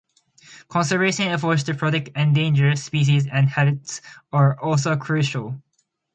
Conservation efforts to protect endangered species and habitats are also crucial.